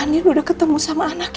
apa andin udah ketemu sama anaknya no